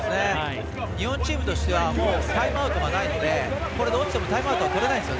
日本チームとしてはタイムアウトがないのでこれで落ちてもタイムアウトはとれないんですよ。